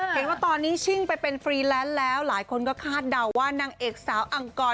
เห็นว่าตอนนี้ชิ่งไปเป็นฟรีแลนซ์แล้วหลายคนก็คาดเดาว่านางเอกสาวอังกร